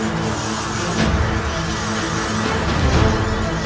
ini mah aneh